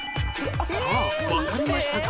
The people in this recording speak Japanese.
さあわかりましたか？